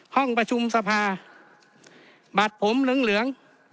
ห้องประชุมสภาบัตรผมเหลือง